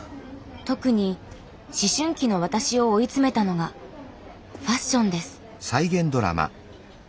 特に思春期の私を追い詰めたのがファッションです。